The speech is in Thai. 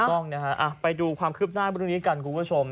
ถูกต้องนะฮะไปดูความคืบหน้าวันนี้กันคุณผู้ชม